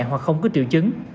hoặc không có triệu chứng